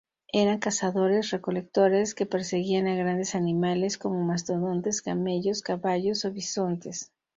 Eran cazadores-recolectores que perseguían a grandes animales como mastodontes, camellos, caballos o bisontes.